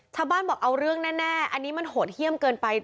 ชาวบ้านบอกเอาเรื่องแน่อันนี้มันโหดเยี่ยมเกินไป